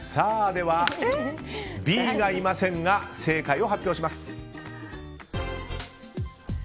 では、Ｂがいませんが正解を発表します。